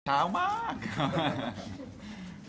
เช้ามาก